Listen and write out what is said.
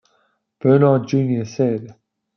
Bernhard Junior said.